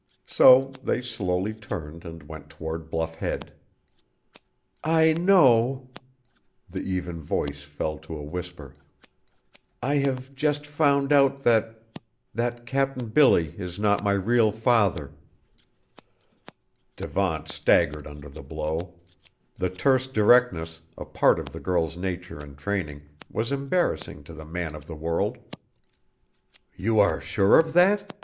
So they slowly turned and went toward Bluff Head. "I know," the even voice fell to a whisper, "I have just found out that that Cap'n Billy is not my real father!" Devant staggered under the blow. The terse directness, a part of the girl's nature and training, was embarrassing to the man of the world. "You are sure of that?"